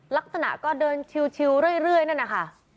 ลักษณะก็เดินชิวเรื่อยนั่นนะคะ